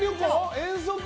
遠足？